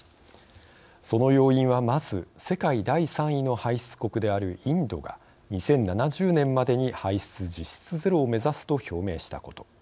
その要因は、まず世界第３位の排出国であるインドが２０７０年までに排出実質ゼロを目指すと表明したこと。